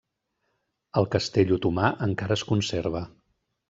El castell otomà encara es conserva.